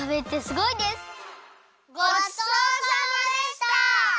ごちそうさまでした！